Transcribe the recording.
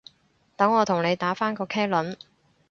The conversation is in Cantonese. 等我同你打返個茄輪